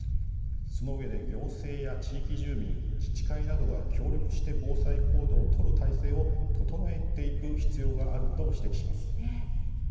そのうえで、行政や地域住民自治会などが協力して防災行動を取る態勢を整えていく必要があると指摘します。